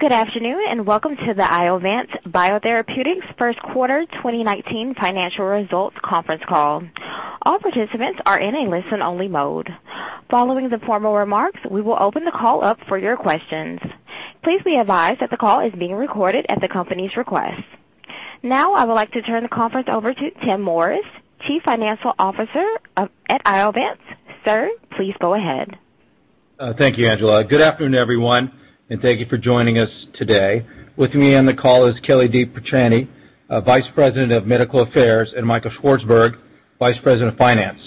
Good afternoon, and welcome to the Iovance Biotherapeutics first quarter 2019 financial results conference call. All participants are in a listen-only mode. Following the formal remarks, we will open the call up for your questions. Please be advised that the call is being recorded at the company's request. I would like to turn the conference over to Timothy Morris, Chief Financial Officer at Iovance. Sir, please go ahead. Thank you, Angela. Good afternoon, everyone, and thank you for joining us today. With me on the call is Kelly DiTrapani, Vice President of Medical Affairs, and Michael Swartzburg, Vice President of Finance.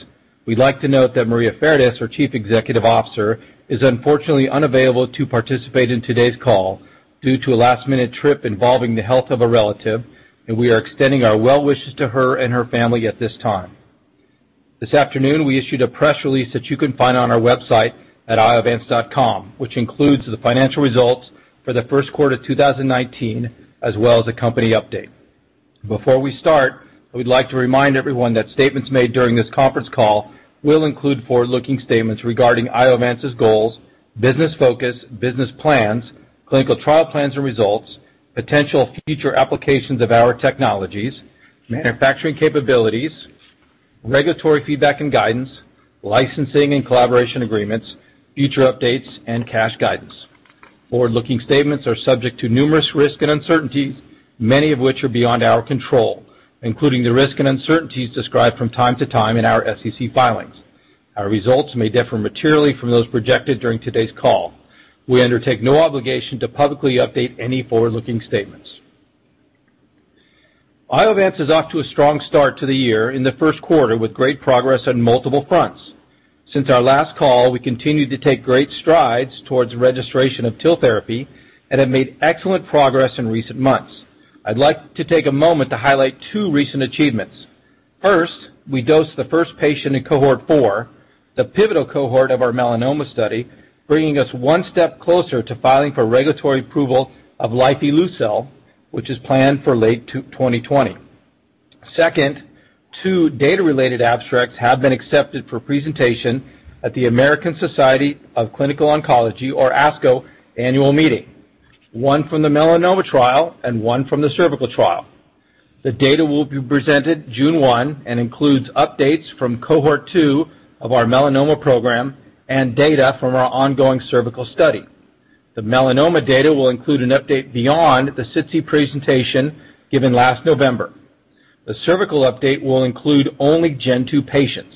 We'd like to note that Maria Fardis, our Chief Executive Officer, is unfortunately unavailable to participate in today's call due to a last-minute trip involving the health of a relative, and we are extending our well wishes to her and her family at this time. This afternoon, we issued a press release that you can find on our website at iovance.com, which includes the financial results for the first quarter of 2019, as well as a company update. Before we start, we'd like to remind everyone that statements made during this conference call will include forward-looking statements regarding Iovance's goals, business focus, business plans, clinical trial plans and results, potential future applications of our technologies, manufacturing capabilities, regulatory feedback and guidance, licensing and collaboration agreements, future updates, and cash guidance. Forward-looking statements are subject to numerous risks and uncertainties, many of which are beyond our control, including the risks and uncertainties described from time to time in our SEC filings. Our results may differ materially from those projected during today's call. We undertake no obligation to publicly update any forward-looking statements. Iovance is off to a strong start to the year in the first quarter with great progress on multiple fronts. Since our last call, we continued to take great strides towards registration of TIL therapy and have made excellent progress in recent months. I'd like to take a moment to highlight two recent achievements. First, we dosed the first patient in cohort four, the pivotal cohort of our melanoma study, bringing us one step closer to filing for regulatory approval of lifileucel, which is planned for late 2020. Second, two data-related abstracts have been accepted for presentation at the American Society of Clinical Oncology, or ASCO, annual meeting, one from the melanoma trial and one from the cervical trial. The data will be presented June 1 and includes updates from cohort two of our melanoma program and data from our ongoing cervical study. The melanoma data will include an update beyond the SITC presentation given last November. The cervical update will include only Gen 2 patients.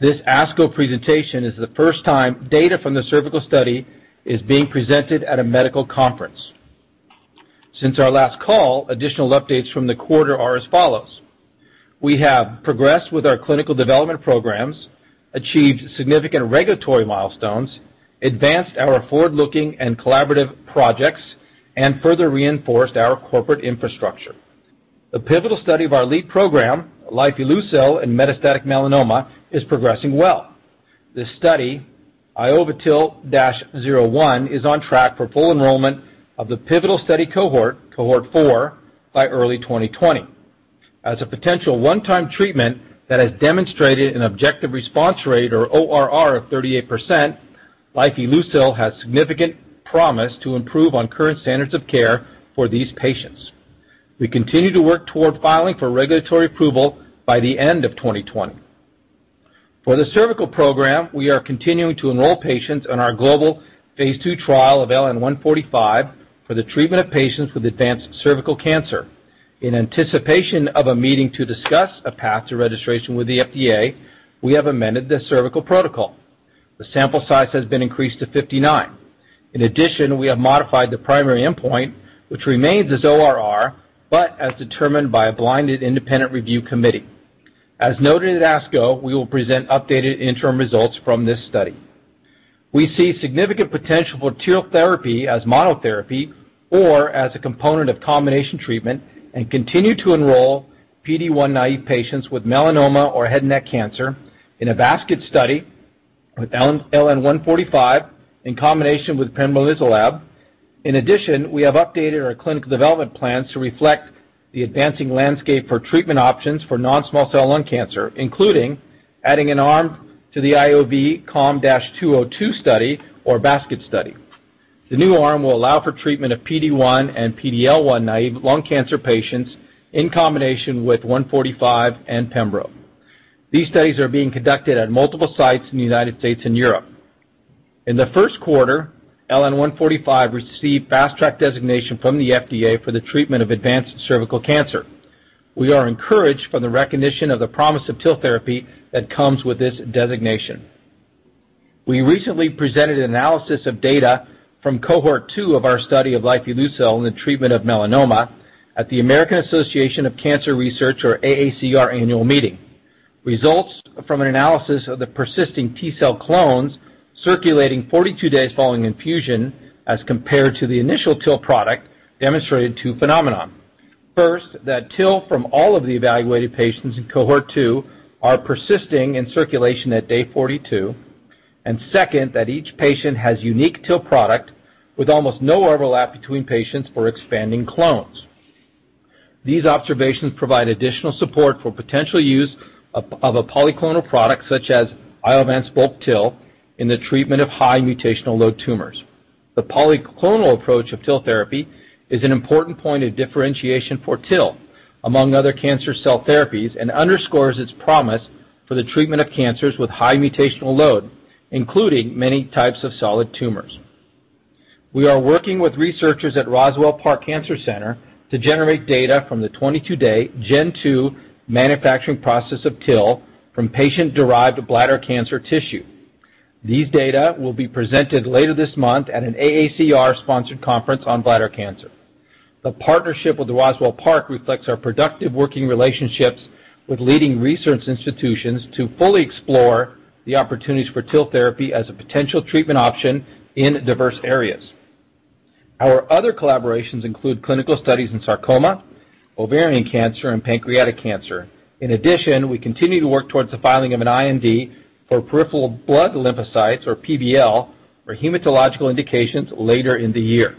This ASCO presentation is the first time data from the cervical study is being presented at a medical conference. Since our last call, additional updates from the quarter are as follows. We have progressed with our clinical development programs, achieved significant regulatory milestones, advanced our forward-looking and collaborative projects, and further reinforced our corporate infrastructure. The pivotal study of our lead program, lifileucel in metastatic melanoma, is progressing well. This study, innovaTIL-01, is on track for full enrollment of the pivotal study cohort 4, by early 2020. As a potential one-time treatment that has demonstrated an objective response rate or ORR of 38%, lifileucel has significant promise to improve on current standards of care for these patients. We continue to work toward filing for regulatory approval by the end of 2020. For the cervical program, we are continuing to enroll patients in our global phase II trial of LN-145 for the treatment of patients with advanced cervical cancer. In anticipation of a meeting to discuss a path to registration with the FDA, we have amended the cervical protocol. The sample size has been increased to 59. In addition, we have modified the primary endpoint, which remains as ORR, but as determined by a blinded independent review committee. As noted at ASCO, we will present updated interim results from this study. We see significant potential for TIL therapy as monotherapy or as a component of combination treatment and continue to enroll PD-1 naive patients with melanoma or head and neck cancer in a basket study with LN-145 in combination with pembrolizumab. We have updated our clinical development plans to reflect the advancing landscape for treatment options for non-small cell lung cancer, including adding an arm to the IOV-COM-202 study or basket study. The new arm will allow for treatment of PD-1 and PD-L1 naive lung cancer patients in combination with 145 and pembro. These studies are being conducted at multiple sites in the U.S. and Europe. In the first quarter, LN-145 received Fast Track designation from the FDA for the treatment of advanced cervical cancer. We are encouraged from the recognition of the promise of TIL therapy that comes with this designation. We recently presented analysis of data from cohort 2 of our study of lifileucel in the treatment of melanoma at the American Association for Cancer Research, or AACR, annual meeting. Results from an analysis of the persisting T cell clones circulating 42 days following infusion as compared to the initial TIL product demonstrated two phenomenon. First, that TIL from all of the evaluated patients in cohort 2 are persisting in circulation at day 42, and second, that each patient has unique TIL product with almost no overlap between patients for expanding clones. These observations provide additional support for potential use of a polyclonal product such as Iovance bulk TIL in the treatment of high mutational load tumors. The polyclonal approach of TIL therapy is an important point of differentiation for TIL among other cancer cell therapies and underscores its promise for the treatment of cancers with high mutational load, including many types of solid tumors. We are working with researchers at Roswell Park Comprehensive Cancer Center to generate data from the 22-day Gen 2 manufacturing process of TIL from patient-derived bladder cancer tissue. These data will be presented later this month at an AACR-sponsored conference on bladder cancer. The partnership with Roswell Park reflects our productive working relationships with leading research institutions to fully explore the opportunities for TIL therapy as a potential treatment option in diverse areas. Our other collaborations include clinical studies in sarcoma, ovarian cancer, and pancreatic cancer. In addition, we continue to work towards the filing of an IND for peripheral blood lymphocytes, or PBL, for hematological indications later in the year.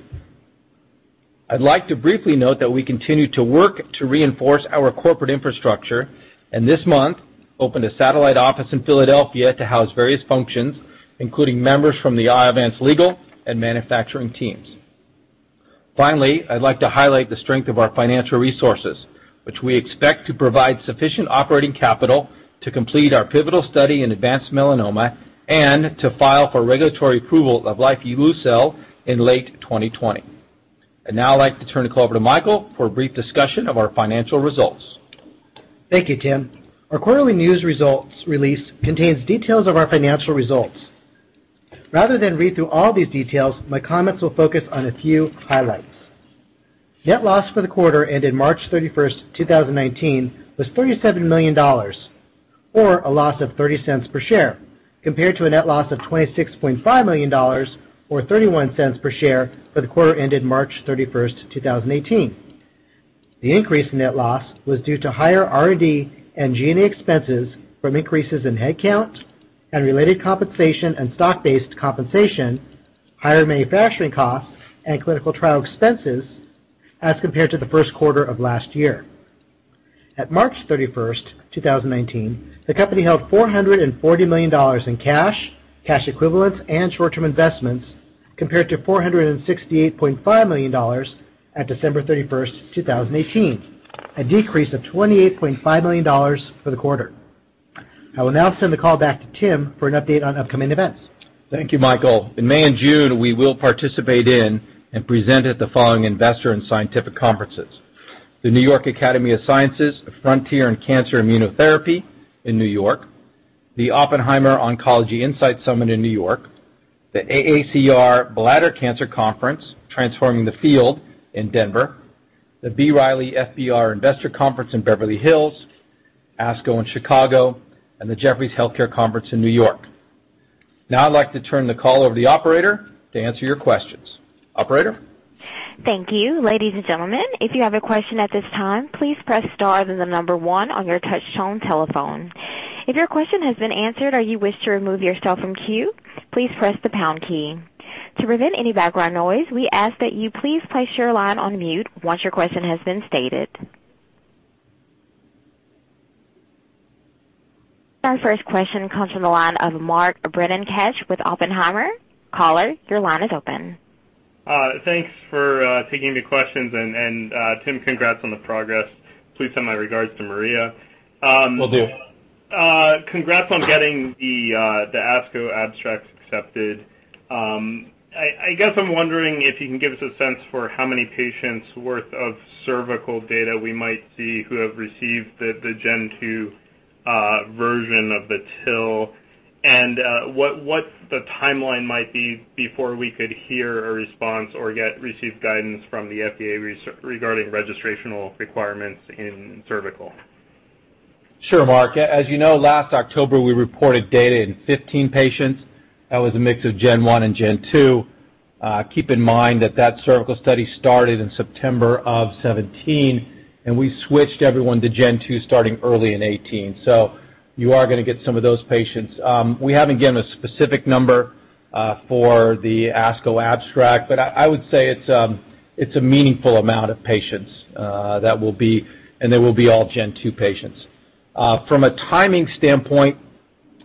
I'd like to briefly note that we continue to work to reinforce our corporate infrastructure, and this month opened a satellite office in Philadelphia to house various functions, including members from the Iovance legal and manufacturing teams. Finally, I'd like to highlight the strength of our financial resources, which we expect to provide sufficient operating capital to complete our pivotal study in advanced melanoma and to file for regulatory approval of lifileucel in late 2020. I'd now like to turn the call over to Michael for a brief discussion of our financial results. Thank you, Tim. Our quarterly news results release contains details of our financial results. Rather than read through all these details, my comments will focus on a few highlights. Net loss for the quarter ended March 31st, 2019, was $37 million, or a loss of $0.30 per share, compared to a net loss of $26.5 million or $0.31 per share for the quarter ended March 31st, 2018. The increase in net loss was due to higher R&D and G&A expenses from increases in headcount and related compensation and stock-based compensation, higher manufacturing costs, and clinical trial expenses as compared to the first quarter of last year. At March 31st, 2019, the company held $440 million in cash equivalents, and short-term investments compared to $468.5 million at December 31st, 2018, a decrease of $28.5 million for the quarter. I will now send the call back to Tim for an update on upcoming events. Thank you, Michael. In May and June, we will participate in and present at the following investor and scientific conferences: the New York Academy of Sciences, Frontier in Cancer Immunotherapy in New York, the Oppenheimer Oncology Insight Summit in New York, the AACR Bladder Cancer Conference: Transforming the Field in Denver, the B. Riley FBR Investor Conference in Beverly Hills, ASCO in Chicago, and the Jefferies Healthcare Conference in New York. I'd like to turn the call over to the operator to answer your questions. Operator? Thank you. Ladies and gentlemen, if you have a question at this time, please press star then the number one on your touchtone telephone. If your question has been answered or you wish to remove yourself from queue, please press the pound key. To prevent any background noise, we ask that you please place your line on mute once your question has been stated. Our first question comes from the line of Mark Breidenbach with Oppenheimer. Caller, your line is open. Thanks for taking the questions. Tim, congrats on the progress. Please send my regards to Maria. Will do. Congrats on getting the ASCO abstracts accepted. I guess I'm wondering if you can give us a sense for how many patients worth of cervical data we might see who have received the Gen 2 version of the TIL, and what the timeline might be before we could hear a response or receive guidance from the FDA regarding registrational requirements in cervical? Sure, Mark. As you know, last October, we reported data in 15 patients. That was a mix of Gen 1 and Gen 2. Keep in mind that that cervical study started in September of 2017, we switched everyone to Gen 2 starting early in 2018. You are going to get some of those patients. We haven't given a specific number for the ASCO abstract, I would say it's a meaningful amount of patients, and they will be all Gen 2 patients. From a timing standpoint,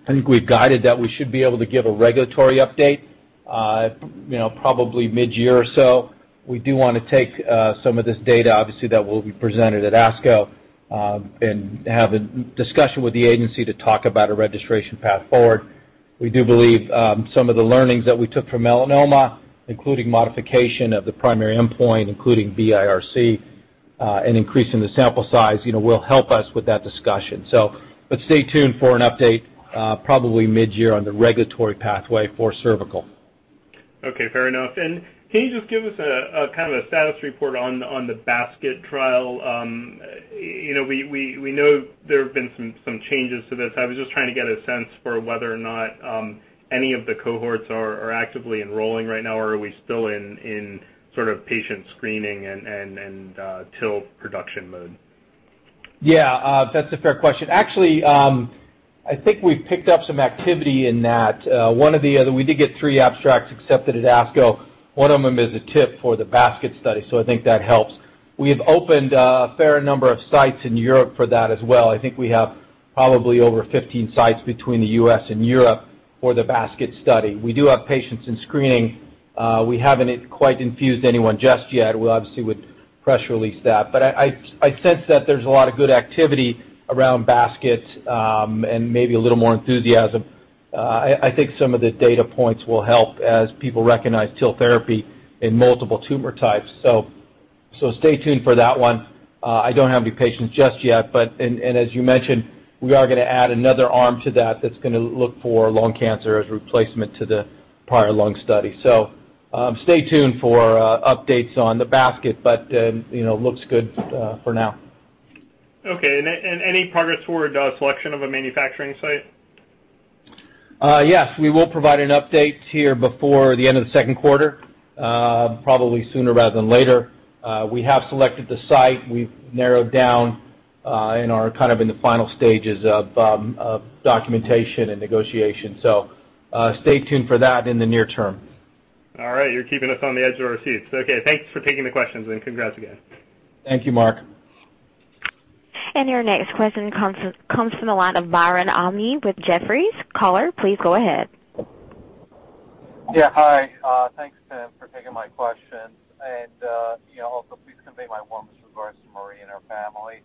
I think we've guided that we should be able to give a regulatory update probably mid-year or so. We do want to take some of this data, obviously, that will be presented at ASCO, and have a discussion with the agency to talk about a registration path forward. We do believe some of the learnings that we took from melanoma, including modification of the primary endpoint, including BIRC, and increasing the sample size will help us with that discussion. Stay tuned for an update probably mid-year on the regulatory pathway for cervical. Okay, fair enough. Can you just give us a status report on the basket trial? We know there have been some changes to this. I was just trying to get a sense for whether or not any of the cohorts are actively enrolling right now, or are we still in patient screening and TIL production mode? Yeah, that's a fair question. Actually, I think we've picked up some activity in that. We did get three abstracts accepted at ASCO. One of them is a TIL for the basket study, I think that helps. We have opened a fair number of sites in Europe for that as well. I think we have probably over 15 sites between the U.S. and Europe for the basket study. We do have patients in screening. We haven't quite infused anyone just yet. We'll obviously would press release that. I sense that there's a lot of good activity around baskets, and maybe a little more enthusiasm. I think some of the data points will help as people recognize TIL therapy in multiple tumor types. Stay tuned for that one. I don't have any patients just yet. As you mentioned, we are going to add another arm to that that's going to look for lung cancer as replacement to the prior lung study. Stay tuned for updates on the basket, it looks good for now. Okay. Any progress toward a selection of a manufacturing site? Yes. We will provide an update here before the end of the second quarter, probably sooner rather than later. We have selected the site. We've narrowed down and are kind of in the final stages of documentation and negotiation. Stay tuned for that in the near term. All right. You're keeping us on the edge of our seats. Okay, thanks for taking the questions, and congrats again. Thank you, Mark. Your next question comes from the line of Biren Amin with Jefferies. Caller, please go ahead. Yeah. Hi. Thanks, Tim, for taking my questions. Also please convey my warmest regards to Maria and her family.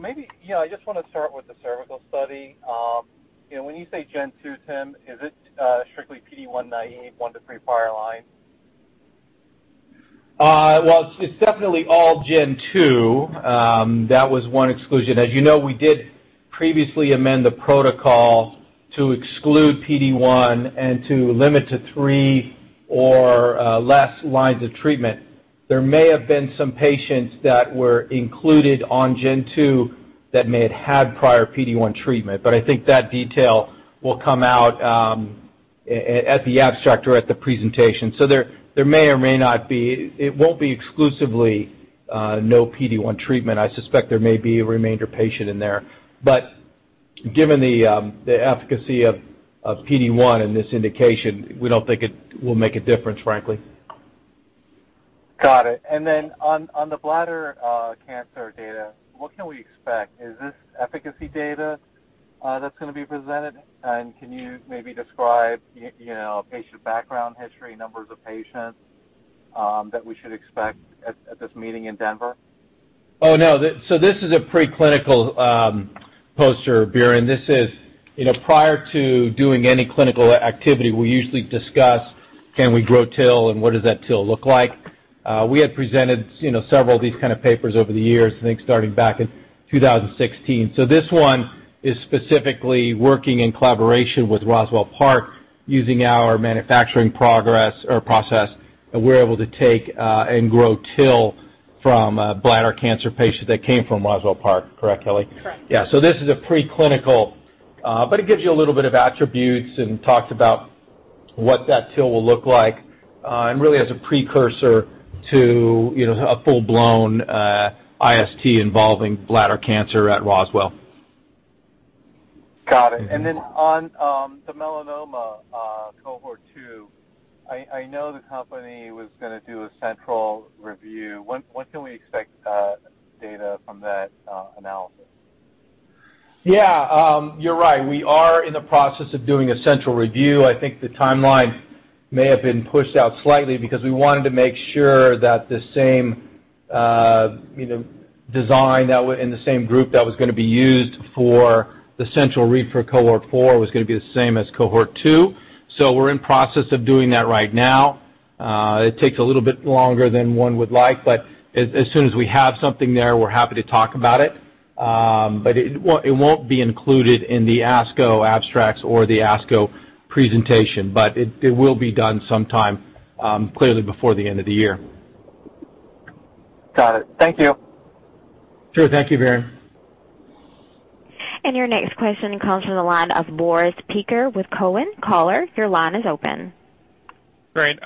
Maybe, I just want to start with the cervical study. When you say Gen 2, Tim, is it strictly PD-1 naive, one to three prior lines? It's definitely all Gen 2. That was one exclusion. As you know, we did previously amend the protocol to exclude PD-1 and to limit to three or less lines of treatment. There may have been some patients that were included on Gen 2 that may have had prior PD-1 treatment, but I think that detail will come out at the abstract or at the presentation. There may or may not be. It won't be exclusively no PD-1 treatment. I suspect there may be a remainder patient in there. Given the efficacy of PD-1 in this indication, we don't think it will make a difference, frankly. Got it. On the bladder cancer data, what can we expect? Is this efficacy data that's going to be presented? Can you maybe describe patient background history, numbers of patients, that we should expect at this meeting in Denver? No. This is a preclinical poster, Biren. This is prior to doing any clinical activity, we usually discuss, can we grow TIL and what does that TIL look like? We had presented several of these kind of papers over the years, I think starting back in 2016. This one is specifically working in collaboration with Roswell Park, using our manufacturing progress or process that we're able to take and grow TIL from bladder cancer patients that came from Roswell Park. Correct, Kelly? Correct. Yeah. This is a preclinical, but it gives you a little bit of attributes and talks about what that TIL will look like, and really as a precursor to a full-blown IST involving bladder cancer at Roswell. Got it. On the melanoma cohort 2, I know the company was going to do a central review. When can we expect data from that analysis? Yeah. You're right. We are in the process of doing a central review. I think the timeline may have been pushed out slightly because we wanted to make sure that the same design and the same group that was going to be used for the central read for cohort 4 was going to be the same as cohort 2. We're in process of doing that right now. It takes a little bit longer than one would like, but as soon as we have something there, we're happy to talk about it. It won't be included in the ASCO abstracts or the ASCO presentation, but it will be done sometime, clearly before the end of the year. Got it. Thank you. Sure. Thank you, Biren. Your next question comes from the line of Boris Peaker with Cowen. Caller, your line is open. Great.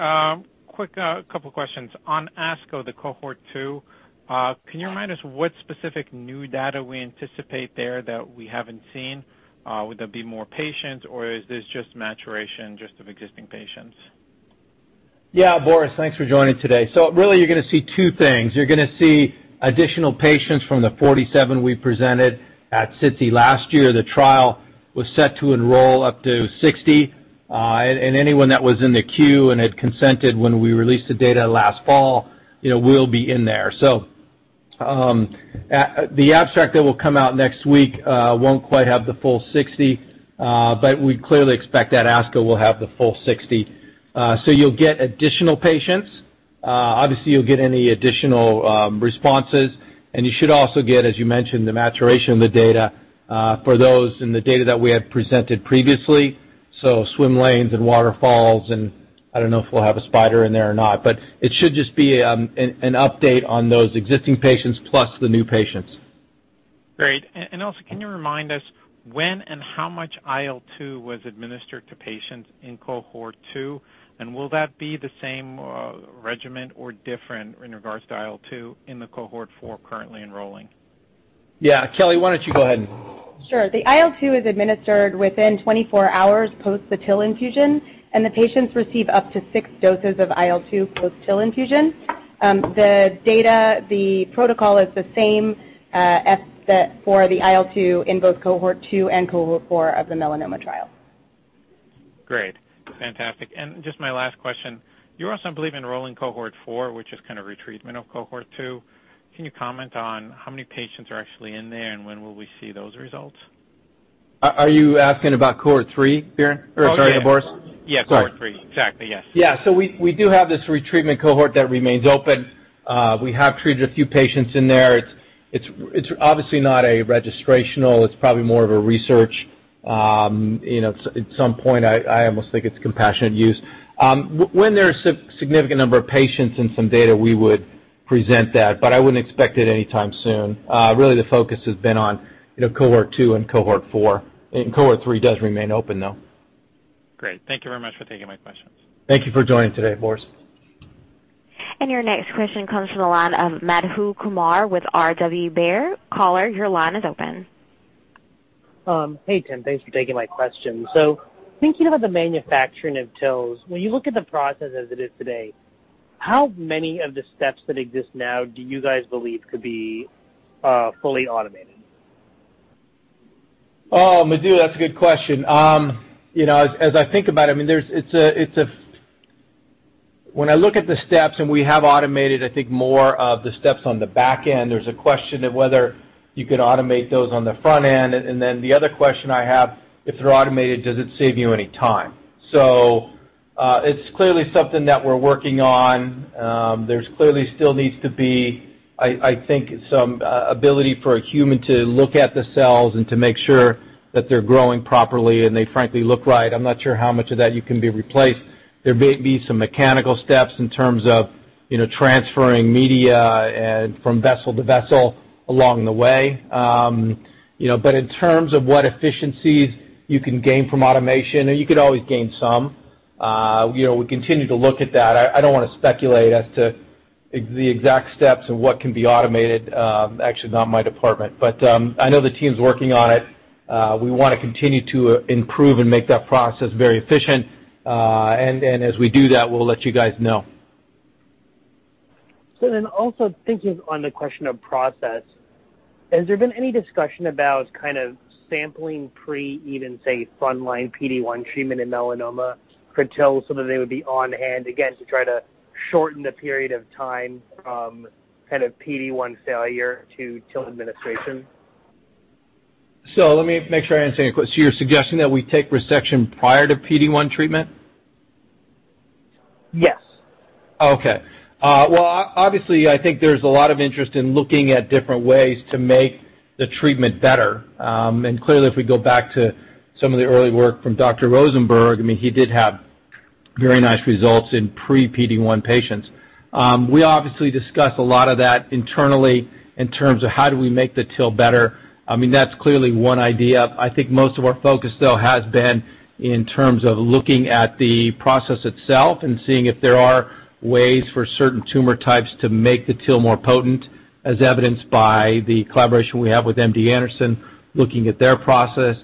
Quick couple questions. On ASCO, the cohort 2, can you remind us what specific new data we anticipate there that we haven't seen? Would there be more patients, or is this just maturation of existing patients? Boris, thanks for joining today. Really you're going to see two things. You're going to see additional patients from the 47 we presented at SITC last year. The trial was set to enroll up to 60. Anyone that was in the queue and had consented when we released the data last fall will be in there. The abstract that will come out next week won't quite have the full 60, but we clearly expect that ASCO will have the full 60. You'll get additional patients. Obviously, you'll get any additional responses, and you should also get, as you mentioned, the maturation of the data for those in the data that we had presented previously. Swim lanes and waterfalls, and I don't know if we'll have a spider in there or not, but it should just be an update on those existing patients plus the new patients. Great. Also, can you remind us when and how much IL-2 was administered to patients in cohort 2? Will that be the same regimen or different in regards to IL-2 in the cohort 4 currently enrolling? Yeah. Kelly, why don't you go ahead? Sure. The IL-2 is administered within 24 hours post the TIL infusion, and the patients receive up to six doses of IL-2 post-TIL infusion. The data, the protocol is the same for the IL-2 in both cohort 2 and cohort 4 of the melanoma trial. Great. Fantastic. Just my last question. You're also, I believe, enrolling cohort 4, which is kind of retreatment of cohort 2. Can you comment on how many patients are actually in there, when will we see those results? Are you asking about cohort 3, Darren? Or sorry, Boris? Yeah, cohort 3. Exactly, yes. Yeah. We do have this retreatment cohort that remains open. We have treated a few patients in there. It's obviously not registrational. It's probably more of a research. At some point, I almost think it's compassionate use. When there's a significant number of patients and some data, we would present that, but I wouldn't expect it anytime soon. Really, the focus has been on cohort 2 and cohort 4. Cohort 3 does remain open, though. Great. Thank you very much for taking my questions. Thank you for joining today, Boris. Your next question comes from the line of Madhu Kumar with R.W. Baird. Caller, your line is open. Hey, Tim. Thanks for taking my question. Thinking about the manufacturing of TILs, when you look at the process as it is today, how many of the steps that exist now do you guys believe could be fully automated? Oh, Madhu, that's a good question. As I think about it, when I look at the steps and we have automated, I think, more of the steps on the back end, there's a question of whether you can automate those on the front end. Then the other question I have, if they're automated, does it save you any time? It's clearly something that we're working on. There clearly still needs to be, I think, some ability for a human to look at the cells and to make sure that they're growing properly and they frankly look right. I'm not sure how much of that can be replaced. There may be some mechanical steps in terms of transferring media from vessel to vessel along the way. In terms of what efficiencies you can gain from automation, you could always gain some. We continue to look at that. I don't want to speculate as to the exact steps of what can be automated. Actually, not my department. I know the team's working on it. We want to continue to improve and make that process very efficient. As we do that, we'll let you guys know. Also thinking on the question of process, has there been any discussion about kind of sampling pre even, say, front line PD-1 treatment in melanoma for TIL so that they would be on hand, again, to try to shorten the period of time from kind of PD-1 failure to TIL administration? Let me make sure I understand your question. You're suggesting that we take resection prior to PD-1 treatment? Yes. Obviously, I think there's a lot of interest in looking at different ways to make the treatment better. Clearly, if we go back to some of the early work from Dr. Rosenberg, he did have very nice results in pre-PD-1 patients. We obviously discuss a lot of that internally in terms of how do we make the TIL better. That's clearly one idea. I think most of our focus, though, has been in terms of looking at the process itself and seeing if there are ways for certain tumor types to make the TIL more potent, as evidenced by the collaboration we have with MD Anderson, looking at their process.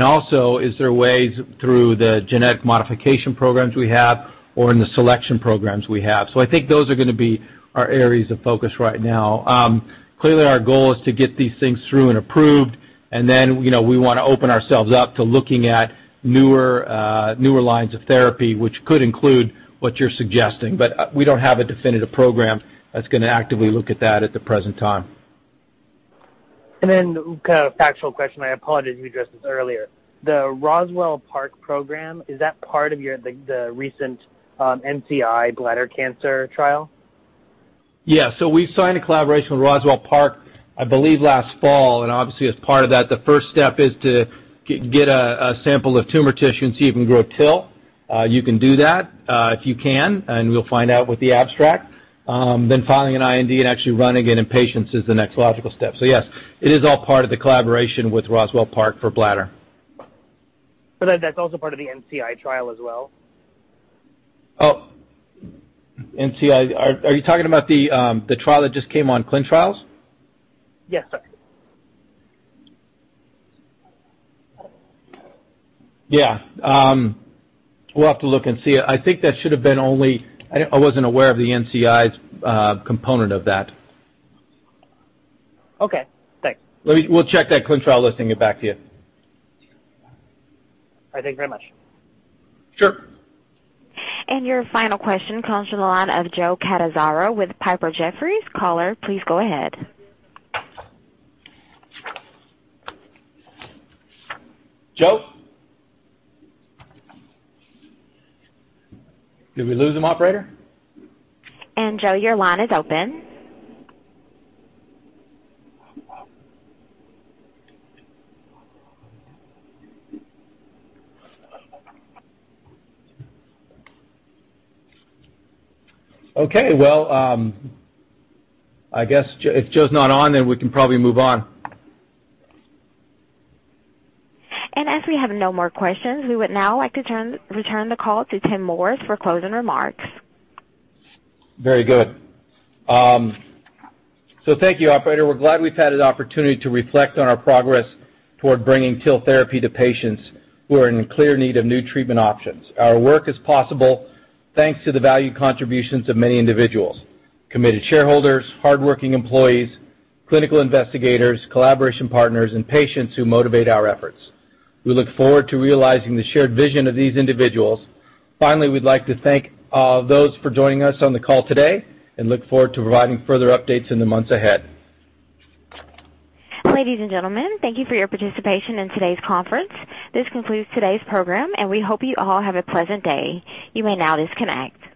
Also, is there ways through the genetic modification programs we have or in the selection programs we have? I think those are going to be our areas of focus right now. Clearly, our goal is to get these things through and approved. We want to open ourselves up to looking at newer lines of therapy, which could include what you're suggesting. We don't have a definitive program that's going to actively look at that at the present time. Kind of a factual question. I apologize if you addressed this earlier. The Roswell Park program, is that part of the recent NCI bladder cancer trial? We signed a collaboration with Roswell Park, I believe last fall. As part of that, the first step is to get a sample of tumor tissue and see if we can grow a TIL. You can do that if you can, and we'll find out with the abstract. Filing an IND and actually running it in patients is the next logical step. Yes, it is all part of the collaboration with Roswell Park for bladder. That's also part of the NCI trial as well? Oh, NCI. Are you talking about the trial that just came on ClinTrials? Yes, sir. Yeah. We'll have to look and see. I wasn't aware of the NCI's component of that. Okay, thanks. We'll check that ClinTrial listing and get back to you. All right. Thank you very much. Sure. Your final question comes from the line of Joe Catanzaro with Piper Jaffray. Caller, please go ahead. Joe? Did we lose him, Operator? Joe, your line is open. Okay. Well, I guess if Joe's not on, we can probably move on. As we have no more questions, we would now like to return the call to Timothy Morris for closing remarks. Very good. Thank you, Operator. We're glad we've had an opportunity to reflect on our progress toward bringing TIL therapy to patients who are in clear need of new treatment options. Our work is possible thanks to the valued contributions of many individuals, committed shareholders, hardworking employees, clinical investigators, collaboration partners, and patients who motivate our efforts. We look forward to realizing the shared vision of these individuals. Finally, we'd like to thank all those for joining us on the call today and look forward to providing further updates in the months ahead. Ladies and gentlemen, thank you for your participation in today's conference. This concludes today's program, and we hope you all have a pleasant day. You may now disconnect.